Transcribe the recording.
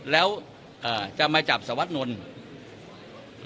แล้วจะมาจับสวัสดนนท์